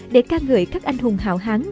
để ca ngợi các anh hùng hảo hán